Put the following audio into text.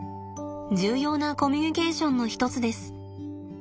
重要なコミュニケーションの一つです。